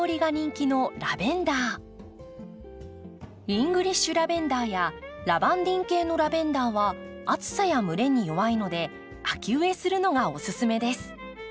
イングリッシュラベンダーやラバンディン系のラベンダーは暑さや蒸れに弱いので秋植えするのがおすすめです。